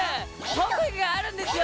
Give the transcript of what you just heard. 特技があるんですよ。